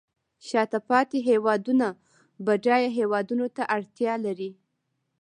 شاته پاتې هیوادونه بډایه هیوادونو ته اړتیا لري